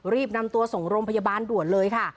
รีบนำตัวส่งโรงพยาบาลด่วนเลยค่ะ